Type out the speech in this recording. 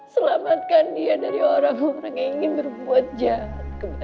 selamatkan dia dari orang orang yang ingin menjaga dia